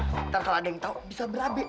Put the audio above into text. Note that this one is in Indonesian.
nanti kalau ada yang tau bisa berabe